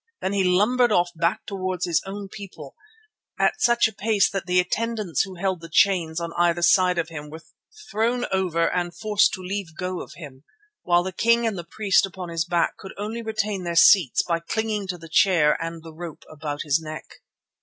Then off he lumbered back towards his own people, at such a pace that the attendants who held the chains on either side of him were thrown over and forced to leave go of him, while the king and the priest upon his back could only retain their seats by clinging to the chair and the rope about his neck.